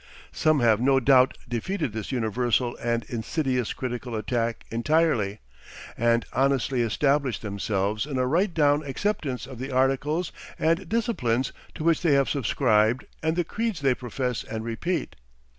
Some have no doubt defeated this universal and insidious critical attack entirely, and honestly established themselves in a right down acceptance of the articles and disciplines to which they have subscribed and of the creeds they profess and repeat.